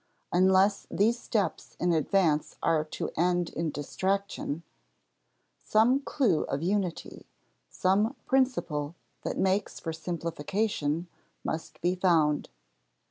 Unless these steps in advance are to end in distraction, some clew of unity, some principle that makes for simplification, must be found.